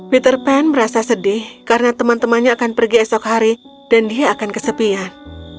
peter pan merasa sedih karena teman temannya akan pergi esok hari dan dia akan kesepian